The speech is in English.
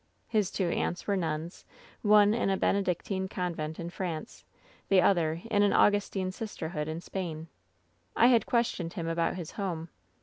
His two aunts were nuns — one in a Benedic tine convent in France, the other in an Augustine sister hood in Spain. "I had questioned him about his home.